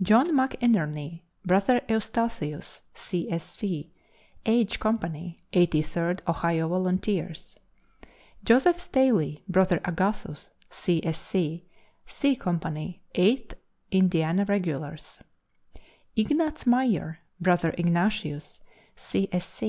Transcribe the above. John McInerny (Brother Eustathius, C. S. C.), H Company, Eighty third Ohio Volunteers. Joseph Staley (Brother Agathus, C. S. C.), C Company, Eighth Indiana Regulars. Ignatz Mayer (Brother Ignatius, C. S.